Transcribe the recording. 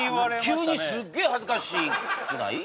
急にすっげえ恥ずかしくない？